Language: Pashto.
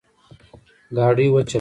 ګاډی وچلوه